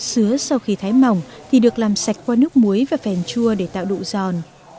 sứa sau khi thái mỏng thì được làm sạch qua nước muối và phèn chua để tạo độ giòn